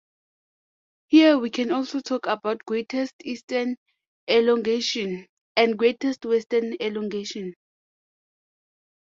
Here we can also talk about "greatest eastern elongation" and "greatest western elongation".